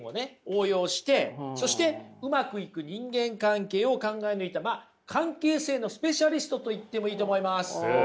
応用してそしてうまくいく人間関係を考え抜いたまあ関係性のスペシャリストと言ってもいいと思います。